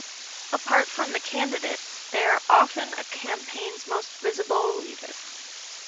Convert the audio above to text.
Apart from the candidate, they are often a campaign's most visible leader.